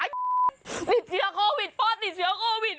ติเชียคโวิดพ่อติเชียโครวิด